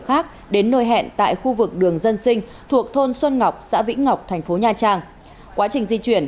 và nhiều hương khí nguy hiểm